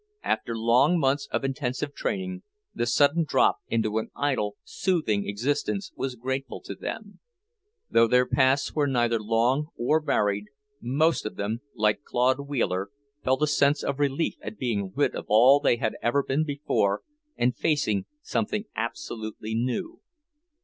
After long months of intensive training, the sudden drop into an idle, soothing existence was grateful to them. Though their pasts were neither long or varied, most of them, like Claude Wheeler, felt a sense of relief at being rid of all they had ever been before and facing something absolutely new.